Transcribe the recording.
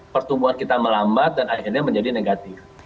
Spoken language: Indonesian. pertumbuhan kita melambat dan akhirnya menjadi negatif